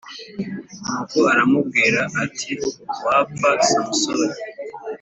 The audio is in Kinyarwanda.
Nuko aramubwira ati Wapfa Samusoni